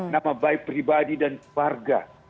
nama baik pribadi dan keluarga